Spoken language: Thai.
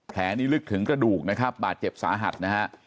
แผลนี้ลึกถึงกระดูกนะครับบาดเจ็บสาหัสนะฮะ